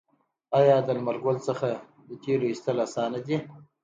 آیا د لمر ګل څخه د تیلو ایستل اسانه دي؟